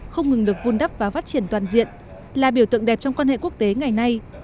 không ngừng được vun đắp và phát triển toàn diện là biểu tượng đẹp trong quan hệ quốc tế ngày nay